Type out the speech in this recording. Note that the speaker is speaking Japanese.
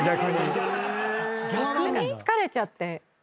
疲れちゃって。